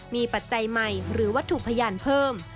มีปัจจัยใหม่หรือวัตถุพยานเพิ่ม